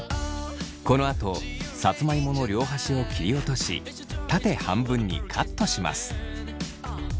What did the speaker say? このあとさつまいもの両端を切り落とし縦半分にカットします。